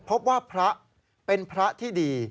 พบว่าพระเป็นพระที่ดี